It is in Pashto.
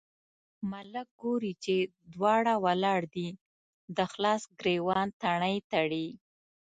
ملک ګوري چې دواړه ولاړ دي، د خلاص ګرېوان تڼۍ تړي.